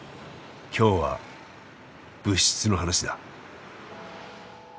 今日は「物質」の話だ。